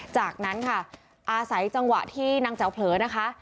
จากนั้นค่ะอาศัยจังหวะที่นางแจ๋วเผลอนะคะ